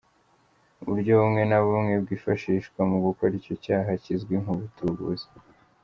Uburyo bumwe na bumwe bwifashishwa mu gukora icyo cyaha kizwi nk’Ubutubuzi.